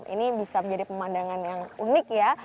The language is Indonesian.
ini bisa menjadi pemandangan yang unik ya